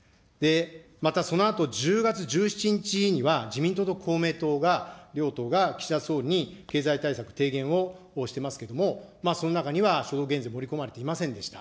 またそのあと、１０月１７日には、自民党と公明党が、両党が岸田総理に経済対策提言をしてますけども、その中には地方減税、盛り込まれていませんでした。